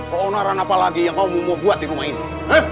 keonaran apa lagi yang kamu mau buat di rumah ini